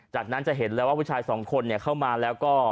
จากนั้นจะเห็นแล้วว่าผู้ชายสองคนเข้ามาแล้วก็